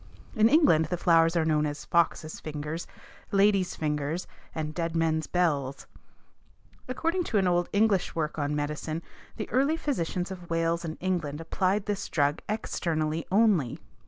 In England the flowers are known as foxes' fingers, ladies' fingers and dead men's bells. According to an old English work on medicine the early physicians of Wales and England applied this drug externally only.